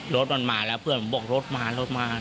รถมันมาแล้วเพื่อนผมบอกรถมารถมา